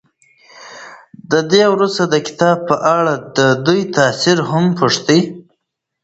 تر دې وروسته د کتاب په اړه د دوی تأثر هم پوښتئ.